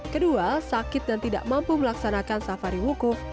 kedua sakit dan tidak mampu melaksanakan safari wukuf